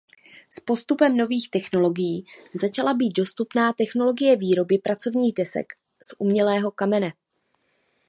S postupem nových technologií začala být dostupná technologie výroby pracovních desek z umělého kamene.